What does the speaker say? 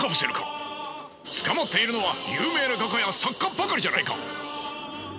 捕まっているのは有名な画家や作家ばかりじゃないか！